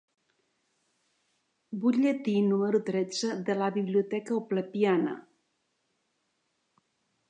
Butlletí número tretze de la «Biblioteca Oplepiana».